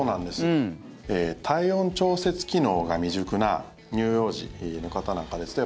体温調節機能が未熟な乳幼児の方なんかですと